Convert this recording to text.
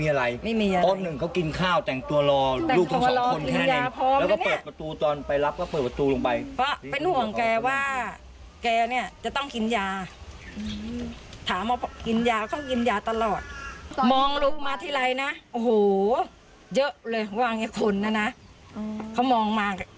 ให้ลูกไปรับพ่อลูกมาแค่นั้นเอง